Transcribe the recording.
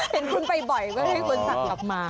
เห็นคุณไปบ่อยก็ให้คนสั่งกลับมา